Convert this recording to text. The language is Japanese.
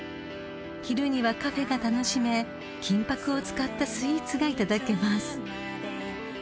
［昼にはカフェが楽しめ金箔を使ったスイーツがいただけます］